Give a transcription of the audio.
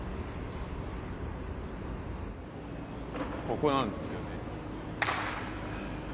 ここなんですよね。